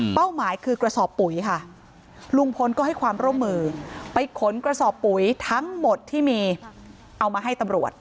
หมายคือกระสอบปุ๋ยค่ะลุงพลก็ให้ความร่วมมือไปขนกระสอบปุ๋ยทั้งหมดที่มีเอามาให้ตำรวจ